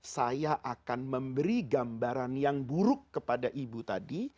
saya akan memberi gambaran yang buruk kepada ibu tadi